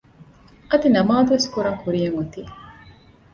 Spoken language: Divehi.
އަދި ނަމާދުވެސް ކުރަން ކުރިޔަށް އޮތީ